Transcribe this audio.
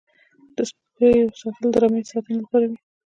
د سپیو ساتل د رمې د ساتنې لپاره وي.